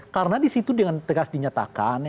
karena disitu dengan tegas dinyatakan